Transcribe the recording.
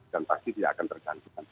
dan pasti dia akan tergantung